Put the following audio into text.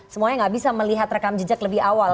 semuanya gak bisa melihat rekam jejak lebih awal